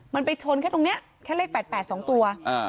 มันไปชนแค่ตรงนี้แค่เลข๘๘๒ตัว